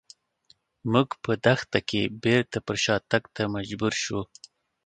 موږ په دښته کې بېرته پر شاتګ ته مجبور شوو.